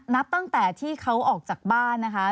นับตั้งแต่ที่เขาออกจากบ้านนะคะ